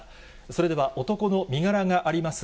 それでは男の身柄があります